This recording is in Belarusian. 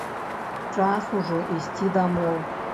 Час ужо ісці дамоў.